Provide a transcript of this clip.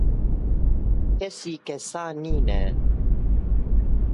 Kesî kesa nîne